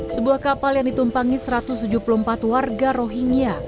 sebuah kapal yang ditumpangi satu ratus tujuh puluh empat warga rohingya